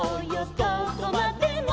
どこまでも」